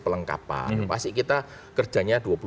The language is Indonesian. pelengkapan pasti kita kerjanya